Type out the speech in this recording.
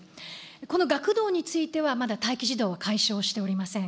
この学童についてはまだ待機児童は解消しておりません。